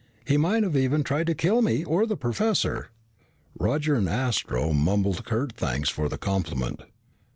He might even have tried to kill me or the professor." Roger and Astro mumbled curt thanks for the compliment.